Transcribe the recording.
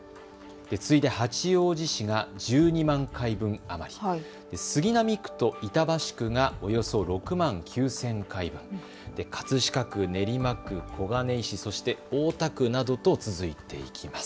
次いで八王子市が１２万回分余り、杉並区と板橋区がおよそ６万９０００回分、葛飾区、練馬区、小金井市、そして大田区などと続いていきます。